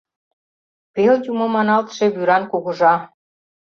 Пел юмо маналтше вӱран кугыжа